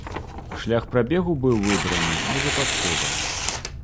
Шлях прабегу быў выбраны невыпадкова.